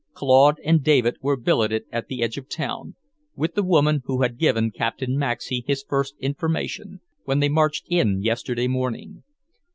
Claude and David were billeted at the edge of the town, with the woman who had given Captain Maxey his first information, when they marched in yesterday morning.